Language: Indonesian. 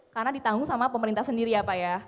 karena ditanggung sama pemerintah sendiri ya pak ya